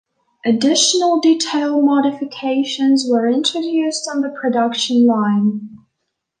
Additional detail modifications were introduced on the production line.